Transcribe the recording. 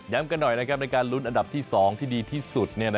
กันหน่อยในการลุ้นอันดับที่๒ที่ดีที่สุด